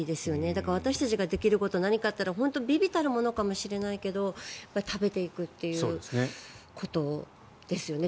だから、私たちができることは何かというと本当に微々たるものかもしれないけど食べていくっていうことですよね。